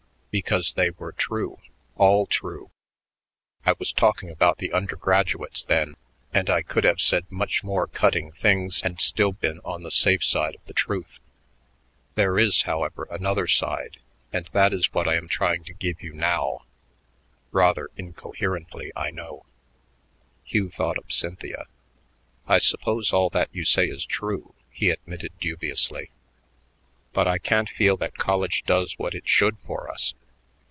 "Because they were true, all true. I was talking about the undergraduates then, and I could have said much more cutting things and still been on the safe side of the truth. There is, however, another side, and that is what I am trying to give you now rather incoherently, I know." Hugh thought of Cynthia. "I suppose all that you say is true," he admitted dubiously, "but I can't feel that college does what it should for us.